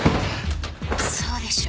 そうでしょう？